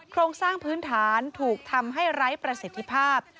โครงสร้างพื้นฐานถูกทำให้ไร้ประสิทธิภาพ